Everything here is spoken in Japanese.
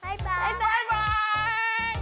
バイバイ！